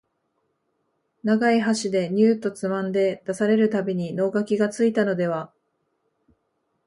長い箸でニューッとつまんで出される度に能書がついたのでは、